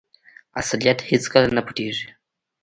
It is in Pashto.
اصلیت هیڅکله نه پټیږي.